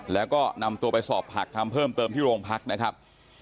แล้วก็นำตัวไปสอบผักคำเพิ่มเติมที่โรงพักนะครับ